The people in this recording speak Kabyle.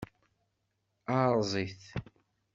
Erẓ-it.